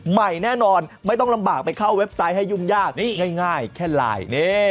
ใหม่แน่นอนไม่ต้องลำบากไปเข้าเว็บไซต์ให้ยุ่งยากนี่ง่ายแค่ไลน์